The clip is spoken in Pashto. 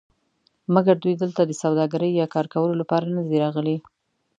مګر دوی دلته د سوداګرۍ یا کار کولو لپاره ندي راغلي.